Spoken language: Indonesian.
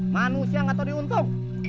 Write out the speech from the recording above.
manusia nggak tahu diuntung